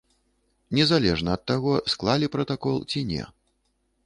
Незалежна ад таго, склалі пратакол ці не.